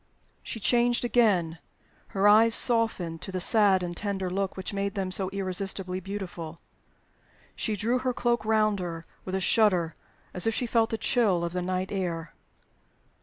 She changed again; her eyes softened to the sad and tender look which made them so irresistibly beautiful. She drew her cloak round her with a shudder, as if she felt the chill of the night air.